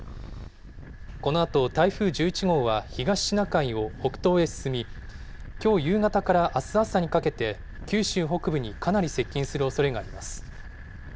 このあと、台風１１号は東シナ海を北東へ進み、きょう夕方からあす朝にかけて、九州北部にかなり接近するおそれがあります。